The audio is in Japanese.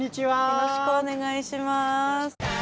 よろしくお願いします。